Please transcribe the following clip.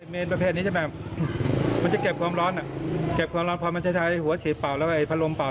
เมนประเภทนี้ใช่มั้ยจะเก็บความร้อนพอหัวฉีดป่าวแล้วพักล้วมป่าว